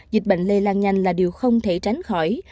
dịch bệnh lây lan nhanh là điều không thể tránh khỏi